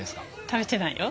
食べてないよ。